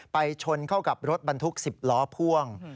ไปชนเข้ากับรถบรรทุก๑๐ล้อพ่วง